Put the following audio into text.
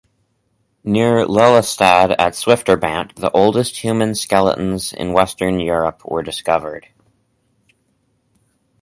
Near Lelystad at Swifterbant, the oldest human skeletons in Western Europe were discovered.